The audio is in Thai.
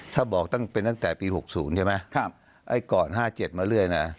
ถ้าบอกตั้งเป็นตั้งแต่ปี๖๐ใช่ไหมไอ้ก่อน๕๗มาเรื่อยนะ